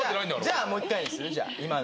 じゃあもう１回にする？